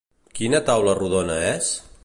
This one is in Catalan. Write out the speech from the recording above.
Quina taula rodona és?